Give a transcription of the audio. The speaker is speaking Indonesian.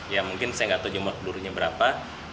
ya mungkin saya nggak tahu jumlah pelurunya berapa